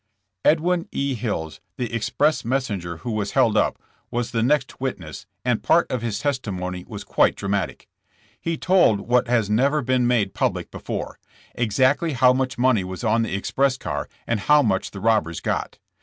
'* Edwin E. Hills, the express messenger who was held up, was the next witness, and part of his testi mony was quite dramatic. He told what has never been made public before — exactly how much money was on the express car and how much the robbers got.